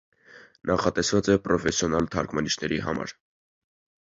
Նախատեսված է պրոֆեսիոնալ թարգմանիչների համար։